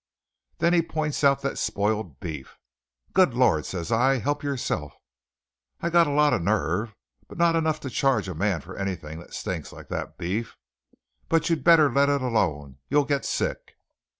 Then he points out that spoiled beef. 'Good Lord!' says I, 'help yourself. I got a lot of nerve, but not enough to charge a man for anything that stinks like that beef. But you better let it alone; you'll get sick!'